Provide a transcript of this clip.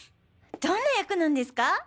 どんな役なんですか？